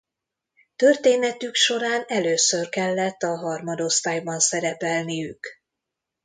Történetük során először kellett a harmadosztályban szerepelniük.